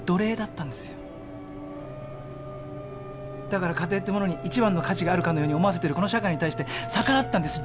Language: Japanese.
だから家庭ってものに一番の価値があるかのように思わせてるこの社会に対して逆らったんです。